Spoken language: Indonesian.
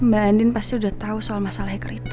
mbak andin pasti udah tau soal masalah hacker itu